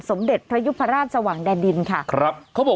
สมเด็จพระยุนภาราชสวังแดดินค่ะ